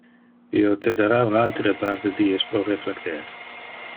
Io te dara un altere par de dies pro reflecter.